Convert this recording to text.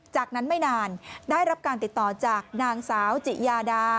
จากนั้นไม่นานได้รับการติดต่อจากนางสาวจิยาดา